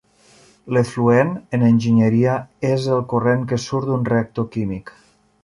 L'efluent, en enginyeria, és el corrent que surt d'un reactor químic.